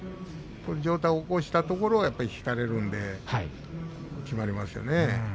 上体を起こしたところ引かれるので決まりますよね。